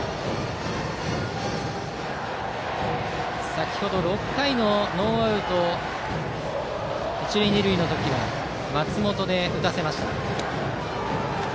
先程６回のノーアウト一塁二塁の時は松本で打たせました。